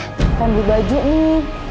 pengen beli baju nih